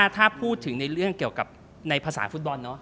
ถ้าพูดถึงในเรื่องเกี่ยวกับในภาษาฟุตบอล